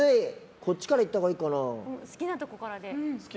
こっちからいったほうがいいかな？